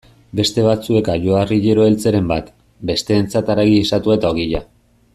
Beste batzuek ajoarriero eltzeren bat, besteentzat haragi gisatua eta ogia.